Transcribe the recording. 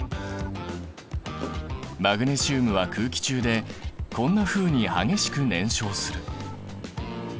マグネシウムは空気中でこんなふうに激しく燃焼する。